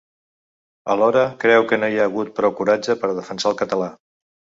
Alhora, creu que no hi ha hagut prou coratge per a defensar el català.